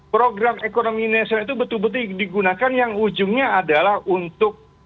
program ekonomi nasional itu betul betul digunakan yang ujungnya adalah untuk